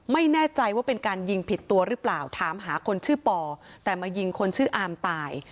ไม่แน่ใจว่าเป็นการยิงผิดตัวหรือเปล่าถามหาคนชื่อปอแต่มายิงคนชื่ออามตาย